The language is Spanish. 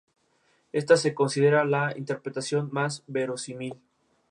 Cuando el paladio ha absorbido grandes cantidades de hidrógeno, su tamaño ampliará ligeramente.